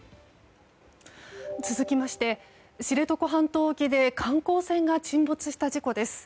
続きまして知床半島沖で観光船が沈没した事故です。